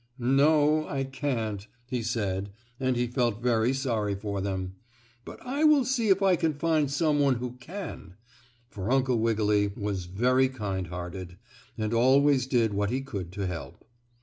"No, I can't," he said, and he felt very sorry for them. "But I will see if I can find some one who can," for Uncle Wiggily was very kind hearted, and always did what he could to help.